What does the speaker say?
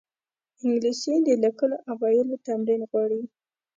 انګلیسي د لیکلو او ویلو تمرین غواړي